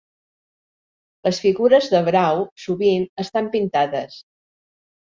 Les figures de brau sovint estan pintades.